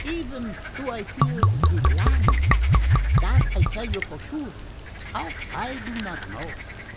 "Even do I feel ze land. Dat I tell you for sure. How? I do not know.